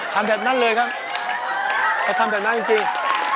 ทำแบบนั้นเลยครับเขาทำแบบนั้นจริง